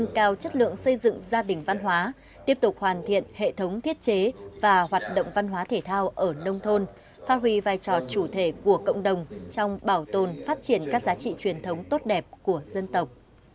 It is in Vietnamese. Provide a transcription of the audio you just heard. nâng cao chất lượng xây dựng gia đình văn hóa tiếp tục hoàn thiện hệ thống thiết chế và hoạt động văn hóa thể thao ở nông thôn phát huy vai trò chủ thể của cộng đồng trong bảo tồn phát triển các giá trị truyền thống tốt đẹp của dân tộc